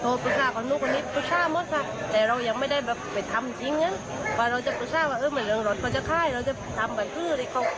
หรือจะจัดการภัยได้งานบางพื้น